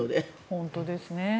本当ですね。